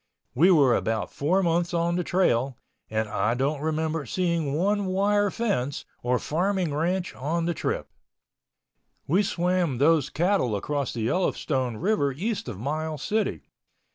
We were about four months on the trail and I don't remember of seeing one wire fence or farming ranch on the trip. We swam those cattle across the Yellowstone River east of Miles City.